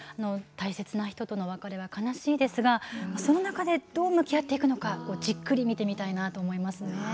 大切な人との別れは悲しいですがその中でどう向き合っていくのかじっくり見てみたいなと思いますね。